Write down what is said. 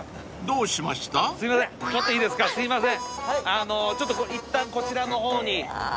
あのうちょっといったんこちらの方に。